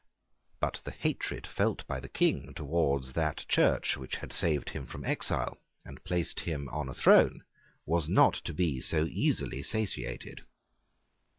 But the hatred felt by the King towards that Church which had saved him from exile and placed him on a throne was not to be so easily satiated.